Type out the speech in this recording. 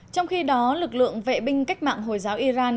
trong khi đó lực lượng vệ binh cách mạng hồi giáo iran